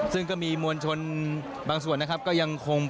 ซึ่งก็มีมวลชนบางส่วนนะครับก็ยังคง